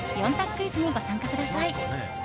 クイズにご参加ください。